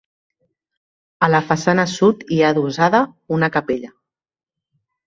A la façana sud hi ha adossada una capella.